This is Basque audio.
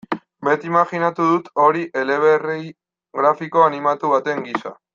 Beti imajinatu dut hori eleberri grafiko animatu baten gisa.